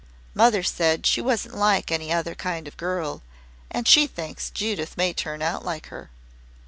Mother said she wasn't like any other kind of girl, and she thinks Judith may turn out like her.